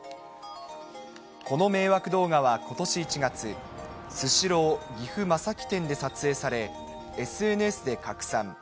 この迷惑動画は、ことし１月、スシロー岐阜正木店で撮影され、ＳＮＳで拡散。